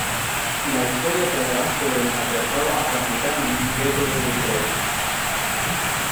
La historia tratará sobre el matriarcado afro-americano en un gueto de Detroit.